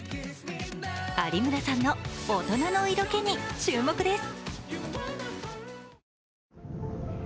有村さんの大人の色気に注目です。